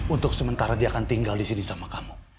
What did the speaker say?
untuk sementara dia akan tinggal disini sama kamu